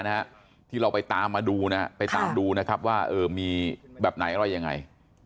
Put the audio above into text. นะที่เราไปตามมาดูนะไปตามดูนะครับว่ามีแบบไหนแล้วยังไง